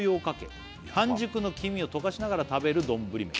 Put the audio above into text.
ヤバッ「半熟の黄身をとかしながら食べる丼飯」